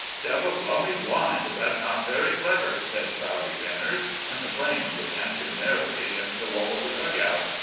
"Devil blow me blind if that's not very clever," said Bowdy Benners when the flames were dancing merrily against the wall of the dugout.